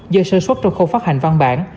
do sơ xuất trong khâu phát hành văn bản